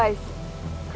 jadi gue pasti kita dw sk